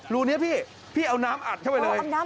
รูนี้พี่พี่เอาน้ำอัดเข้าไปเลย